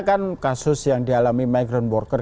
kan kasus yang dialami micron worker